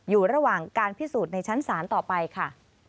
อยู่ระหว่างการพิสูจน์ในชั้นศาลต่อไปค่ะ